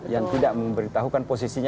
yang tidak memberitahukan posisinya